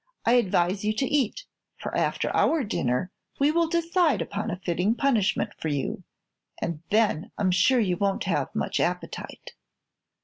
I advise you to eat, for after our dinner we will decide upon a fitting punishment for you, and then I'm sure you won't have much appetite."